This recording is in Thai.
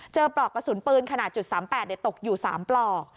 ปลอกกระสุนปืนขนาด๓๘ตกอยู่๓ปลอก